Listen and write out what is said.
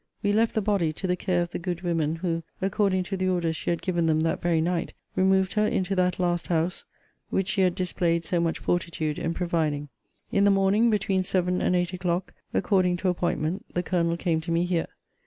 we left the body to the care of the good women, who, according to the orders she had given them that very night, removed her into that last house which she had displayed so much fortitude in providing. In the morning, between seven and eight o'clock, according to appointment, the Colonel came to me here.